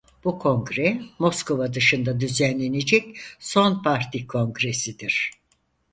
Bu kongre Moskova dışında düzenlenecek son parti kongresidir.